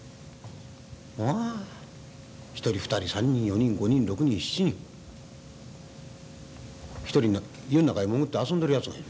うわ１人２人３人４人５人６人７人一人湯の中に潜って遊んでる奴がいる。